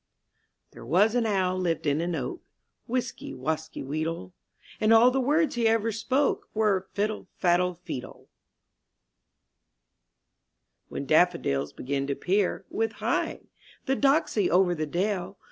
^HERE was an owl lived in an oak, Wisky, wasky, weedle; And all the words he ever spoke Were, *'Fiddle, faddle, feedle." llT'hen daffodils begin to peer, ^^ With heigh! the doxy over the dale.